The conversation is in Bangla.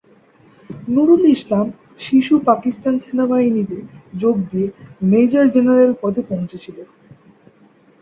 নুরুল ইসলাম শিশু পাকিস্তান সেনাবাহিনীতে যোগ দিয়ে মেজর জেনারেল পদে পৌঁছেছিল।